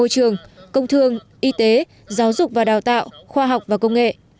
trường công thương y tế giáo dục và đào tạo khoa học và công nghệ